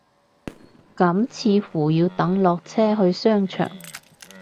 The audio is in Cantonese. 咁似乎要等落車去商場